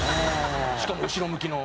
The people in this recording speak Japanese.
しかも後ろ向きの。